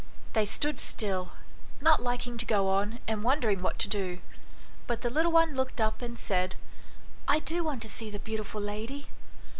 They stood still, not liking to go on and wondering what to do. But the little one looked up and said "I do want to see the beautiful lady."